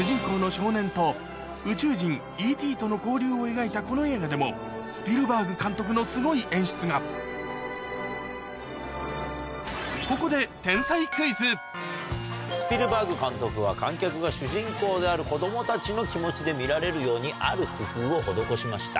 さらにこの映画でもスピルバーグ監督のすごい演出がここでスピルバーグ監督は観客が主人公である子供たちの気持ちで見られるようにある工夫を施しました。